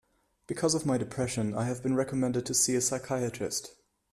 Because of my depression, I have been recommended to see a psychiatrist.